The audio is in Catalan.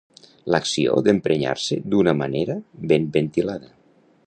L'acció d'emprenyar-se d'una manera ben ventilada.